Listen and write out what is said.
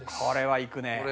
これはいくね。